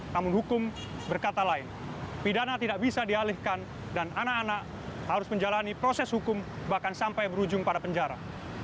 namun hukum berkata lain pidana tidak bisa dialihkan dan anak anak harus menjalani proses hukum bahkan sampai berujung pada penjara